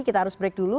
kita harus break dulu